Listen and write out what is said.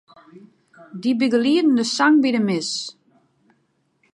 Dy begelieden de sang by de mis.